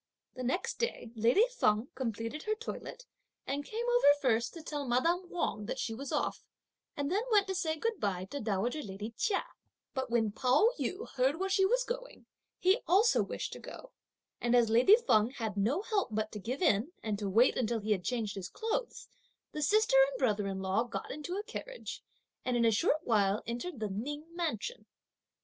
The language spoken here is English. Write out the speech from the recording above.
The next day lady Feng completed her toilette, and came over first to tell madame Wang that she was off, and then went to say good bye to dowager lady Chia; but when Pao yü heard where she was going, he also wished to go; and as lady Feng had no help but to give in, and to wait until he had changed his clothes, the sister and brother in law got into a carriage, and in a short while entered the Ning mansion.